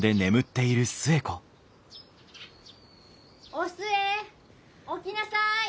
・・お寿恵起きなさい！